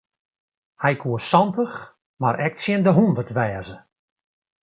Hy koe santich mar ek tsjin de hûndert wêze.